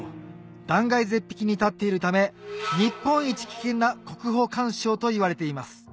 断崖絶壁に立っているため日本一危険な国宝鑑賞といわれています